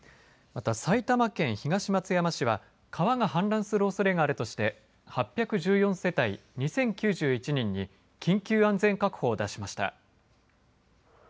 また、埼玉県東松山市は川が氾濫するおそれがあるとして８１４世帯２０９１人に緊急安全確保を出しました。